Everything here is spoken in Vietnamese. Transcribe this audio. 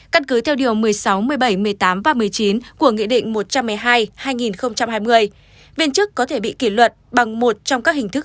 căn cứ theo điều một mươi sáu một mươi bảy một mươi tám và một mươi chín của nghị định một trăm một mươi hai hai nghìn hai mươi viên chức có thể bị kỷ luật bằng một trong các hình thức